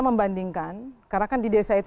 membandingkan karena kan di desa itu